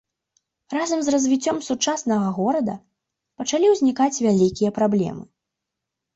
Разам з развіццём сучаснага горада пачалі ўзнікаць вялікія праблемы.